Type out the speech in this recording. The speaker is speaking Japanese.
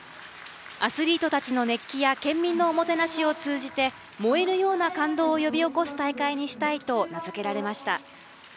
アスリートたちの熱気や県民のおもてなしを通じて燃えるような感動を呼び起こす大会にしたいと名付けられました。